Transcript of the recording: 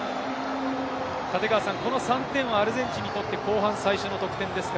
この３点はアルゼンチンにとって後半最初の得点です。